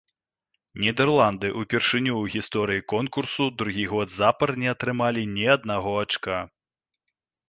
Нідэрланды ўпершыню ў гісторыі конкурсу другі год запар не атрымалі ні аднаго ачка.